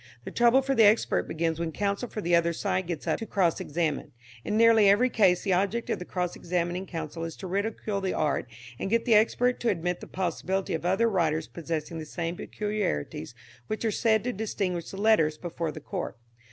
The trouble for the expert begins when counsel for the other side gets up to cross examine. In nearly every case the object of the cross examining counsel is to ridicule the art and get the expert to admit the possibility of other writers possessing the same peculiarities which are said to distinguish the letters before the Court.